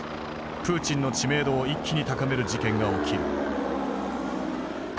プーチンの知名度を一気に高める事件が起きる。